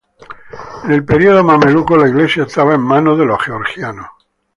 En el periodo mameluco, la iglesia estaba en manos de los georgianos.